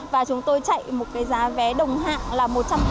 và chúng tôi chạy một giá vé đồng hạng là một trăm ba mươi